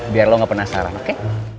biar lo gak penasaran oke